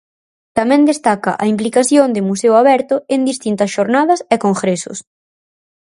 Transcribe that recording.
Tamén destaca a implicación de Museo Aberto en distintas xornadas e congresos.